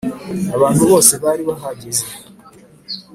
abantu bose bari bahageze